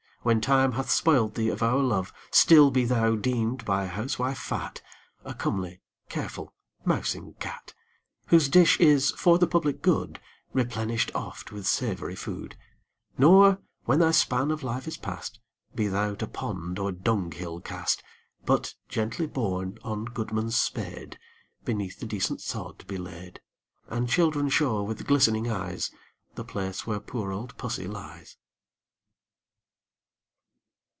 When time hath spoiled thee of our love, Still be thou deemed by housewife fat A comely, careful, mousing cat, Whose dish is, for the public good, Replenished oft with savory food, Nor, when thy span of life is past, Be thou to pond or dung hill cast, But, gently borne on goodman's spade, Beneath the decent sod be laid; And children show with glistening eyes The place where poor old pussy lies.